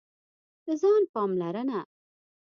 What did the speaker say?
د ځان پاملرنه: